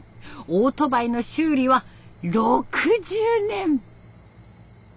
オートバイの修理は６０年！